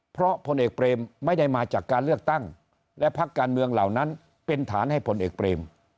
เพราะพลเอกเปรมไม่ได้มาจากการเลือกตั้งและพักการเมืองเหล่านั้นเป็นฐานให้พลเอกเปรม